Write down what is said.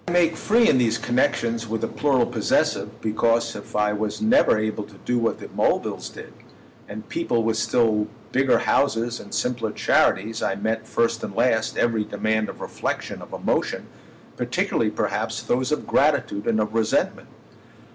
I make free in these connexions with the plural possessive because if I was never able to do what the Mulvilles did, and people with still bigger houses and simpler charities, I met, first and last, every demand of reflexion, of emotion—particularly perhaps those of gratitude and of resentment.